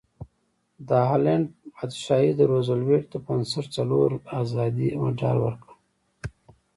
د هالنډ پادشاهي د روزولټ بنسټ څلور ازادۍ مډال ورکړ.